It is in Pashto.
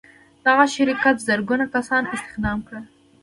دغه شرکت زرګونه کسان استخدام کړل.